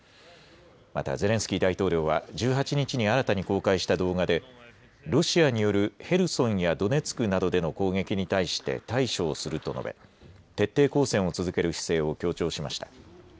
またゼレンスキー大統領は１８日に新たに公開した動画でロシアによるヘルソンやドネツクなどでの攻撃に対して対処をすると述べ、徹底抗戦を続ける姿勢を強調しました。